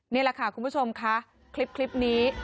นี่แหละค่ะคุณผู้ชมค่ะคลิปนี้